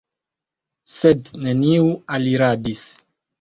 Sed neniu aliradis.